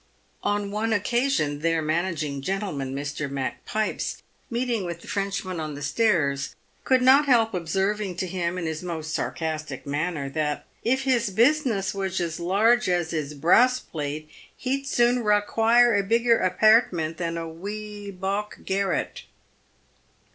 On one occasion their managing gentleman, Mr. Macpipes, meeting with the Frenchman on the stairs, could not help observing to him in his most sarcastic manner, that " if his business was as lairge as his brauss plate, he'd soon raquiare a bigger apairtment than a wee bauck garrut."